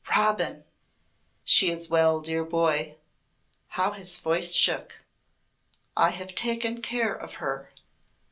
"Robin!" "She is well, dear boy!" How his voice shook! "I have taken care of her."